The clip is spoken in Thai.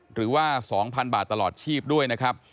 หรือว่า๒๐๐๐บาทตลอดชีพด้วยนะครับ